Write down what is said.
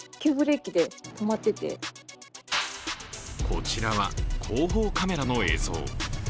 こちらは後方カメラの映像。